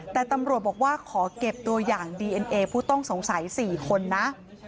แต่ตำรวจบอกว่าขอเก็บตัวอย่างดีเอ็นเอผู้ต้องสงสัย๔คนนะ